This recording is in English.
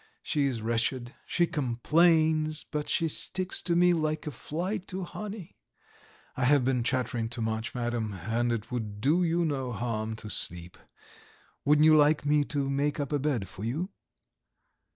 She's wretched, she complains, but she sticks to me like a fly to honey. I have been chattering too much, Madam, and it would do you no harm to sleep. Wouldn't you like me to make up a bed for you?"